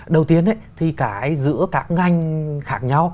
đầu tiên thì cái giữa các ngành khác nhau